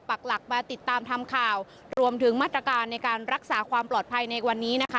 ปากหลักมาติดตามทำข่าวรวมถึงมาตรการในการรักษาความปลอดภัยในวันนี้นะคะ